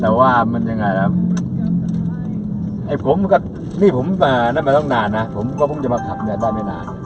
แต่ว่ามันยังไงละผมนี่มาเล่นต้นก็ตั้งนานนะผมว่าผมจะมาขับแบบนั้นไม่นาน